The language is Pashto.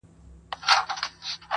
ستا د دوو هنديو سترگو صدقې ته~